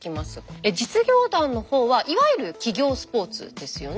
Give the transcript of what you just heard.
実業団の方はいわゆる企業スポーツですよね。